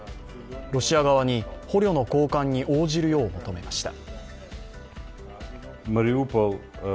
ロシア側に捕虜の交換に応じるよう求めました。